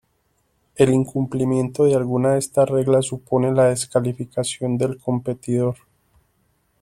El incumplimiento de alguna de estas reglas supone la descalificación del competidor.